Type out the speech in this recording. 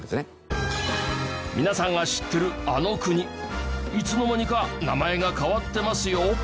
皆さんが知ってるあの国いつの間にか名前が変わってますよ。